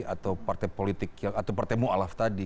atau partai politik atau partai mu'alaf tadi